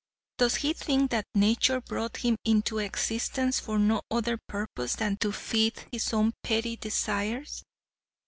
Does he think that nature brought him into existence for no other purpose than to feed his own petty desires?